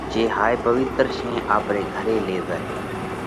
جي هائي پوَيِتر شين آپري گھري لي زائہ۔